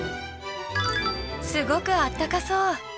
すごくあったかそう。